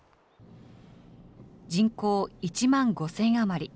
人口１万５０００余り。